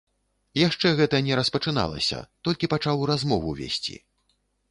Яшчэ гэта не распачыналася, толькі пачалі размову весці.